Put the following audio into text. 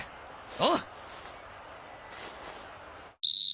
あっ！